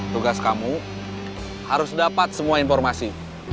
tugas kamu harus dapat semua informasi